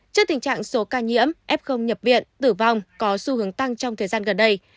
trước tình trạng số ca nhiễm f nhập viện tử vong có xu hướng tăng trong thời gian gần đây